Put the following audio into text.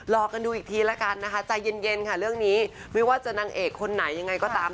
รอกันดูอีกทีละกันนะคะใจเย็นค่ะเรื่องนี้ไม่ว่าจะนางเอกคนไหนยังไงก็ตาม